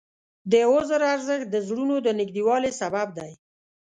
د عذر ارزښت د زړونو د نږدېوالي سبب دی.